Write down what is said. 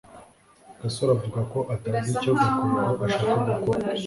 gasore avuga ko atazi icyo gakwego ashaka gukora